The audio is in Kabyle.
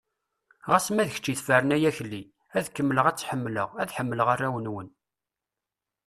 Ɣas ma d kečč i tefren ay Akli, ad kemmleɣ ad tt-ḥemmleɣ, ad ḥemmleɣ arraw-nwen.